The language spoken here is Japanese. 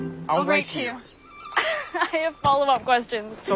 ああ。